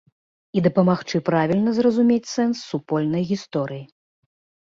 І дапамагчы правільна зразумець сэнс супольнай гісторыі.